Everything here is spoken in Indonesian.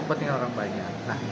pembeliknya saja memanguell